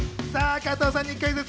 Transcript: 加藤さんにクイズッス！